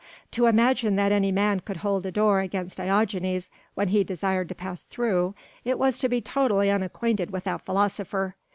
To imagine that any man could hold a door against Diogenes when he desired to pass through it was to be totally unacquainted with that philosopher.